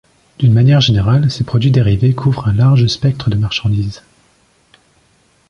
D’une manière générale, ces produits dérivés couvrent un large spectre de marchandises.